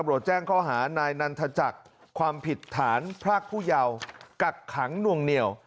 แจ้งข้อหานายนันทจักรความผิดฐานพรากผู้เยาว์กักขังนวงเหนียว